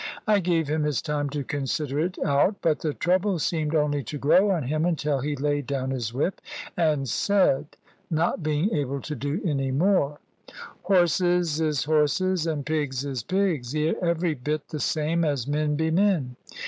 I gave him his time to consider it out; but the trouble seemed only to grow on him, until he laid down his whip and said, not being able to do any more, "Horses is horses, and pigs is pigs, every bit the same as men be men.